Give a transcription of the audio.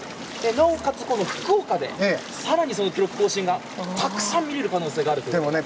なおかつ福岡で更に記録更新がたくさん見られる可能性があるという。